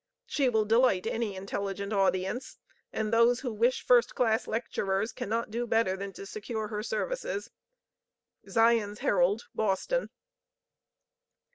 She will delight any intelligent audience, and those who wish first class lecturers cannot do better than to secure her services." _Zion's Herald, Boston.